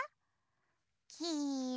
きいろ？